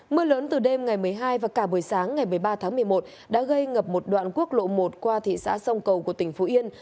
mưa lớn từ đêm ngày một mươi hai và cả buổi sáng ngày một mươi ba tháng một mươi một đã gây ngập một đoạn quốc lộ một qua thị xã sông cầu của tỉnh phú yên